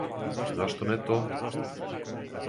Зашто не то?